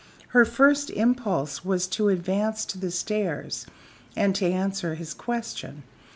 Her first impulse was to advance to the stairs and to answer his question.